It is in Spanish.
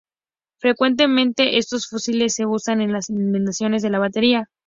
Frecuentemente, estos fusibles se usan en las inmediaciones de la batería.